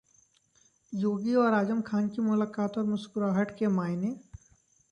योगी और आजम खान की मुलाकात और मुस्कुराहट के मायने?